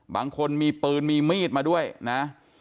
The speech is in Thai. บางคนมีปืนมีมีดมาด้วยนะ